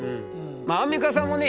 アンミカさんもね